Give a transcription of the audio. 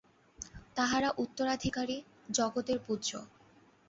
তাঁহারা উত্তরাধিকারী, জগতের পূজ্য।